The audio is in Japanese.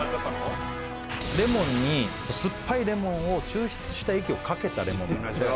レモンにすっぱいレモンを抽出した液をかけたレモンなんです